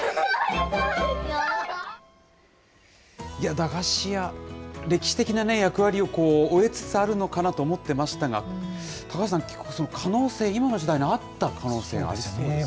駄菓子屋、歴史的な役割を終えつつあるのかなと思ってましたが、高橋さん、可能性、今の時代に合った可能性がありそうですね。